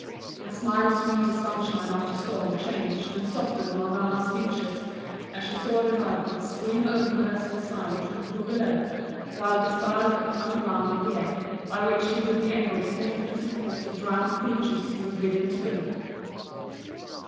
A smile sweet as sunshine after storm changed and softened Morgana's features as she saw Rivardi swing over the vessel's side to the pool below, while Gaspard unwound the gear by which he would be able to lift and support the drowned creatures he was bidden to bring.